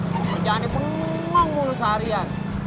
sebenarnya dia bengong mulu seharian